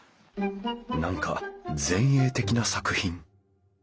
何か前衛的な作品。